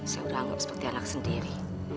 saya udah anggap seperti anak sendiri